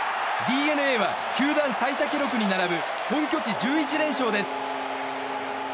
ＤｅＮＡは球団最多記録に並ぶ本拠地１１連勝です。